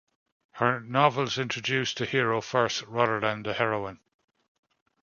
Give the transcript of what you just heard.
Her novels introduced the hero first, rather than the heroine.